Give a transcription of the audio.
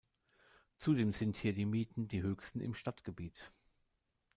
Zudem sind hier die Mieten die höchsten im Stadtgebiet.